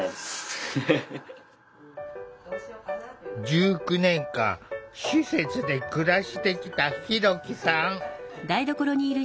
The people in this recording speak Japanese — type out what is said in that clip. １９年間施設で暮らしてきたひろきさん。